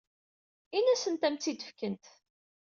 Ini-asent ad am-tt-id-fkent.